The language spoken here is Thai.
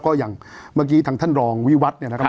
ก็อย่างเมื่อกี้ทางท่านรองวิวัตรเนี่ยนะครับ